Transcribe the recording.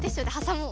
もう。